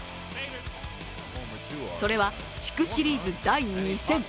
それは、地区シリーズ第２戦。